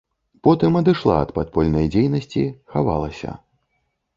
Потым адышла ад падпольнай дзейнасці, хавалася.